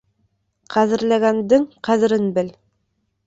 Ҡәҙерләгәндең ҡәҙерен бел.